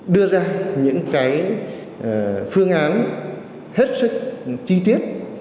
đưa ra những cái phương án hết sức chi tiết